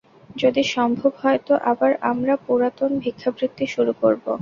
যদি সম্ভব হয় তো আবার আমার পুরাতন ভিক্ষাবৃত্তি শুরু করব।